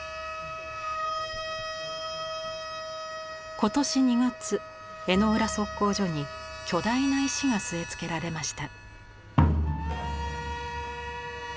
今年２月江之浦測候所に巨大な石が据え付けられました。